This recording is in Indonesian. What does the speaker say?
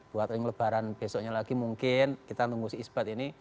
buat yang lebaran besoknya lagi mungkin kita tunggu si isbad ini